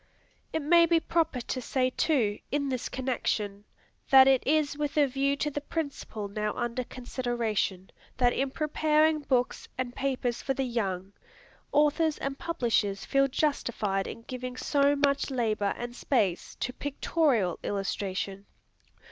It may be proper to say, too, in this connection, that it is with a view to the principle now under consideration, that in preparing books and papers for the young, authors and publishers feel justified in giving so much labor and space to pictorial illustration.